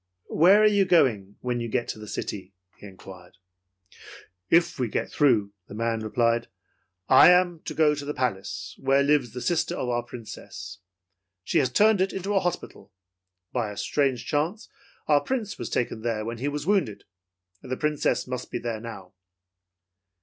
"Where are you going when you get to the city?" he inquired. "If we get through," the man replied, "I am to go to the palace where lives a sister of our Princess. She has turned it into a hospital. By a strange chance, our Prince was taken there when he was wounded. The Princess must, be there now.'